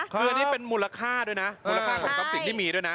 คืออันนี้เป็นมูลค่าด้วยนะมูลค่าของทรัพย์สินที่มีด้วยนะ